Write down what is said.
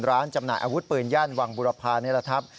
ร้านจำหน่ายอาวุธปืนย่านวังบุรพาเนลทัพ